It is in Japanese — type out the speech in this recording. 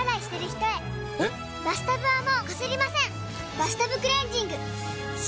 「バスタブクレンジング」！